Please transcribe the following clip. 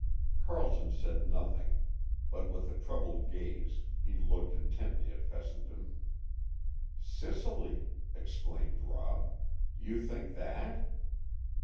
Carleton said nothing, but with a troubled gaze he looked intently at Fessenden. "Cicely!" exclaimed Rob. "You think that?"